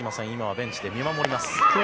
ベンチで見守ります。